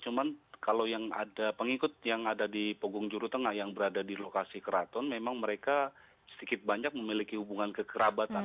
cuman kalau yang ada pengikut yang ada di pogung juru tengah yang berada di lokasi keraton memang mereka sedikit banyak memiliki hubungan kekerabatan